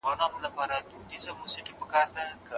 د مېوو په خوړلو سره د وجود وینه پاکیږي.